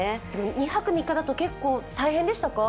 ２泊３日だと結構大変でしたか？